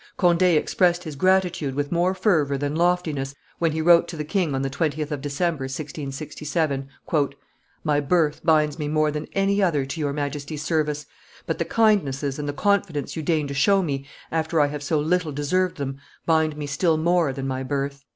Conde expressed his gratitude with more fervor than loftiness when he wrote to the king on the 20th of December, 1667, "My birth binds me more than any other to your Majesty's service, but the kindnesses and the confidence you deign to show me after I have so little deserved them bind me still more than my birth.